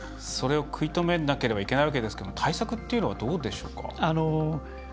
それを食い止めなければいけないわけですけれども対策というのはどうでしょうか？